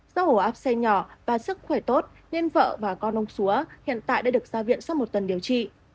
do ổ áp xe nhỏ và sức khỏe tốt nên vợ và con ông xúa hiện tại đã được ra viện sau một tuần điều trị